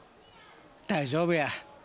大丈夫や。